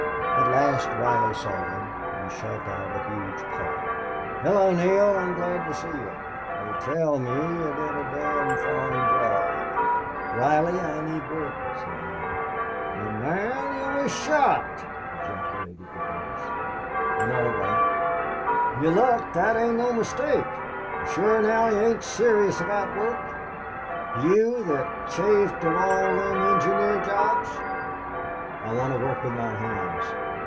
At last Reilly saw him and shoved out a huge paw. "Hullo, Neale! I'm glad to see ye.... They tell me ye did a dom' foine job." "Reilly, I need work," said Neale. "But, mon ye was shot!" ejaculated the boss. "I'm all right." "Ye look thot an' no mistake.... Shure, now, ye ain't serious about work? You that's chafe of all thim engineer jobs?" "I want to work with my hands.